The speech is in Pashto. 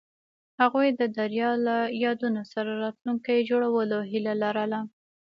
هغوی د دریا له یادونو سره راتلونکی جوړولو هیله لرله.